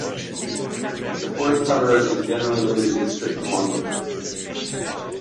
The forest cover is generally limited to strips along the rivers.